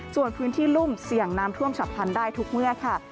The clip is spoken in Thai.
ส่วนพื้นที่รุ่มเสี่ยงน้ำท่วมฉับพันธุ์ได้ทุกเมื่อค่ะ